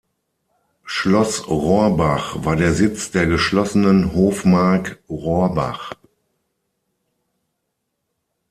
Schloss Rohrbach war der Sitz der geschlossenen Hofmark Rohrbach.